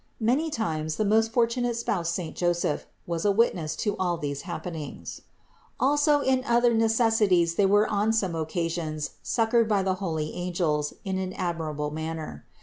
Many times the most fortunate spouse saint Joseph was a witness to all these happenings. 433. Also in other necessities they were on some occa sions succored by the holy angels in an admirable manner.